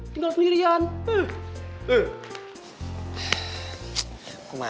tinggal berjaga jaga ya